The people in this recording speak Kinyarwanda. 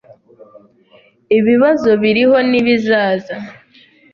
’ibibazo biriho n’ibizaza.